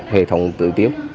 hệ thống tự tiếp